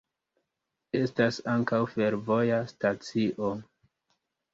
Estas ankaŭ fervoja stacio.